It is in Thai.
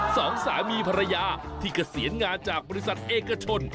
สองสามีภรรยาที่เกษียณงานจากบริษัทเอกชน